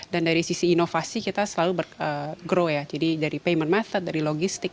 dan dari sisi inovasi kita selalu grow ya jadi dari payment method dari logistik